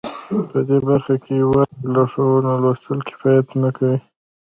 په دې برخه کې یوازې د لارښوونو لوستل کفایت نه کوي